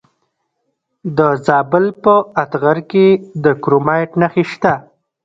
د زابل په اتغر کې د کرومایټ نښې شته.